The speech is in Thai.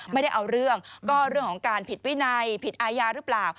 ไม่ได้เอาเรื่องก็เรื่องของการผิดวินัยผิดอาญาหรือเปล่า